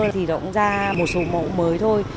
thì nó cũng ra một số mẫu mới thôi